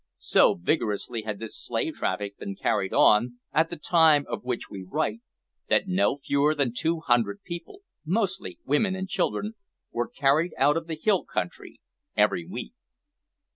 So vigorously had this slave traffic been carried on, at the time of which we write, that no fewer than two hundred people mostly women and children were carried out of the hill country every week.